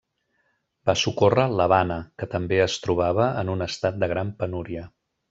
Va socórrer l'Havana, que també es trobava en un estat de gran penúria.